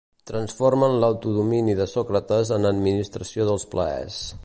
Transformen l'autodomini de Sòcrates en administració dels plaers.